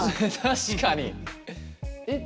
確かに。